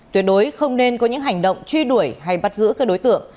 tuyệt đối không nên có những hành động truy đuổi hay bắt giữ các đối tượng